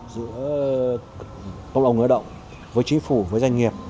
giữa cộng đồng người lao động với chính phủ với doanh nghiệp